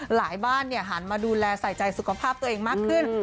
หลายบ้านหันมาดูแลใส่ใจสุขภาพตัวเองมากขึ้น